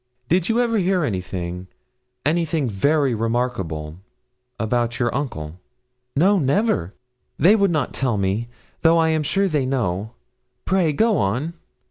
Did you ever hear anything anything very remarkable about your uncle?' 'No, never, they would not tell me, though I am sure they know. Pray go on.'